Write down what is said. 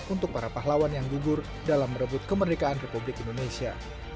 untuk para pahlawan yang gugur dalam merebut kemerdekaan republik indonesia